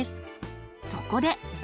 そこで。